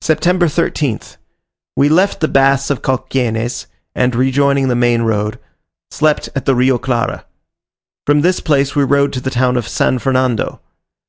September 13th. We left the baths of Cauquenes, and, rejoining the main road, slept at the Rio Clara. From this place we rode to the town of San Fernando.